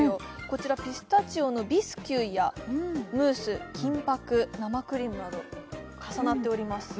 こちらピスタチオのビスキュイやムース金箔生クリームなど重なっております